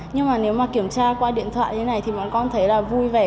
nhưng mà nếu mà kiểm tra qua điện thoại như thế này thì bọn con thấy là vui vẻ